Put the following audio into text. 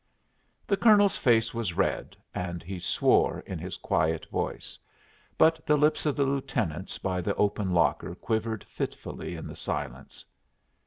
The Colonel's face was red, and he swore in his quiet voice; but the lips of the lieutenants by the open locker quivered fitfully in the silence.